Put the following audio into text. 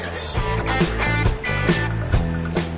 ขอบคุณค่ะ